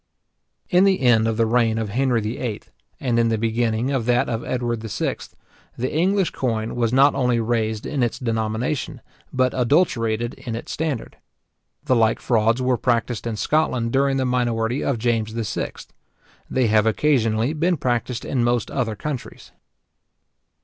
In the end of the reign of Henry VIII., and in the beginning of that of Edward VI., the English coin was not only raised in its denomination, but adulterated in its standard. The like frauds were practised in Scotland during the minority of James VI. They have occasionally been practised in most other countries.